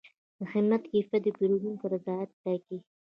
د خدمت کیفیت د پیرودونکي رضایت ټاکي.